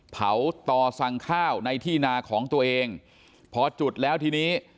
เผาต่อสั่งข้าวในที่นาของตัวเองพอจุดแล้วทีนี้